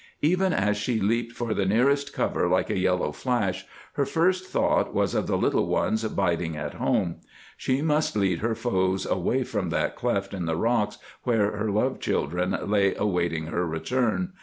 Even as she leaped for the nearest cover like a yellow flash, her first thought was of the little ones biding at home. She must lead her foes away from that cleft in the rocks where her love children lay awaiting her return.